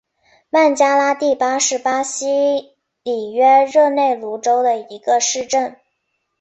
曼加拉蒂巴是巴西里约热内卢州的一个市镇。